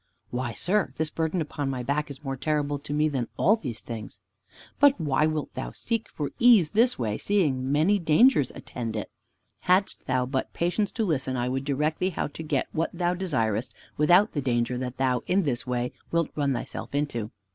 "Why, sir, this burden upon my back is more terrible to me than all these things." "But why wilt thou seek for ease this way, seeing so many dangers attend it? Hadst thou but patience to listen, I could direct thee how to get what thou desirest, without the danger that thou in this way wilt run thyself into."